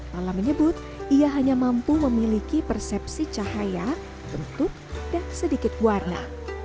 lala menyebut ia hanya mampu memiliki persepsi cahaya bentuk dan sedikit warna